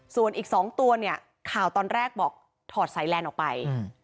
ส่วนอีก๒ตัวเนี่ยข่าวตอนแรกบอกถอดสายแลนด์ออกไป